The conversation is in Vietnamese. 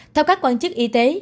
theo các quan chức y tế